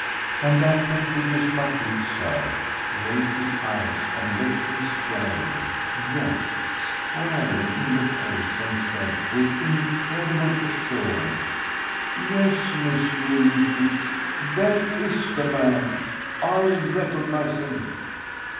And that perfidious Marquis, Sir, raised his eyes and looked me squarely—yes! squarely—in the face and said with incredible assurance: "Yes, Monsieur le Juge, that is the man! I recognize him."